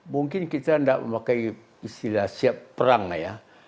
mungkin kita tidak memakai istilah siap perang ya